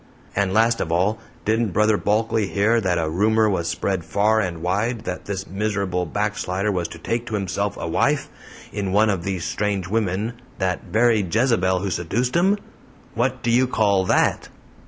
And last of all, didn't Brother Bulkley hear that a rumor was spread far and wide that this miserable backslider was to take to himself a wife in one of these strange women that very Jezebel who seduced him? What do you call that?"